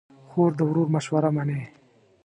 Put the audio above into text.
خور د ورور مشوره منې.